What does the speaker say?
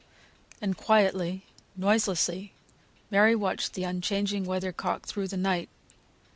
And quietly, noiselessly, Mary watched the unchanging weather cock through the night.